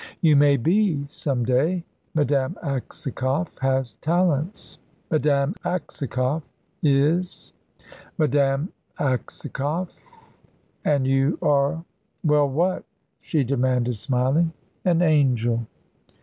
"You may be some day. Madame Aksakoff has talents." "Madame Aksakoff is Madame Aksakoff; and you, are " "Well, what?" she demanded, smiling. "An angel."